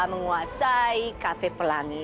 menguasai cafe pelangi